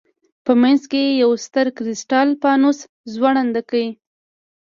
په منځ کې یې یو ستر کرسټال فانوس ځوړند کړ.